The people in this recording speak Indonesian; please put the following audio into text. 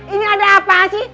ini ada apaan sih